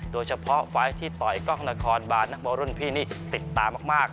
โดยเฉพาะไฟล์ที่ต่อยกล้องนครบานนักบอลรุ่นพี่นี่ติดตามาก